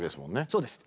そうです。